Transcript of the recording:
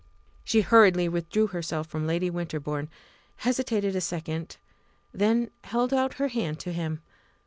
She hurriedly withdrew herself from Lady Winterbourne, hesitated a second, then held out her hand to him.